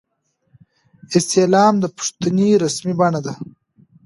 استعلام د پوښتنې رسمي بڼه ده